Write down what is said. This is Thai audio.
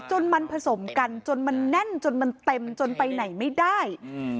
จนมันผสมกันจนมันแน่นจนมันเต็มจนไปไหนไม่ได้อืม